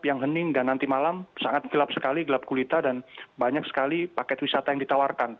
yang hening dan nanti malam sangat gelap sekali gelap kulita dan banyak sekali paket wisata yang ditawarkan